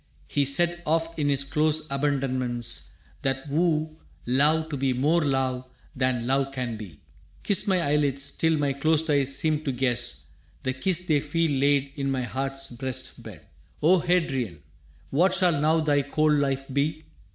He said Oft in his close abandonments, that woo Love to be more love than love can be, «Kiss My eyelids till my closed eyes seem to guess The kiss they feel laid in my heart's breast bed.» O Hadrian, what shall now thy cold life be?